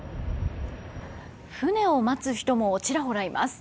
船を待つ人もちらほらいます。